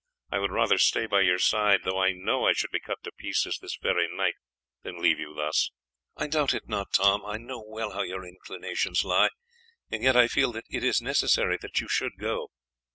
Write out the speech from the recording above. I would rather stay by your side, though I knew that I should be cut in pieces this very night, than leave you thus." "I doubt it not, Tom. I know well how your inclinations lie, and yet I feel that it is necessary that you should go.